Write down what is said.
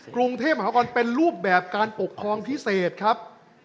กรุงเทพมหานครเป็นรูปแบบการปกครองพิเศษครับ